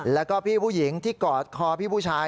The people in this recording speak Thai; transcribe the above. แล้วก็พี่ผู้หญิงที่กอดคอพี่ผู้ชาย